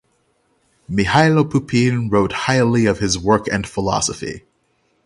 Mihailo Pupin wrote highly of his work and philosophy.